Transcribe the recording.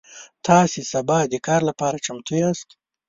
تاسو سبا د کار لپاره چمتو یاست؟